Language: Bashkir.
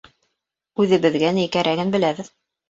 Үҙебеҙгә ни кәрәген беләбеҙ.